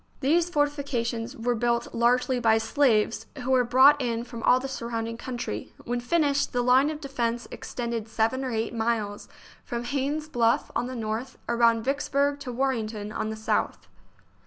These fortifications were built largely by slaves, who were brought in from all the surrounding country. When finished, the line of defence extended seven or eight miles, from Haynes's Bluff, on the north, around Vicks burg to Warrenton, on the south.